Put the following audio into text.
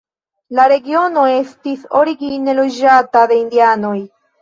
La regiono estis origine loĝata de indianoj.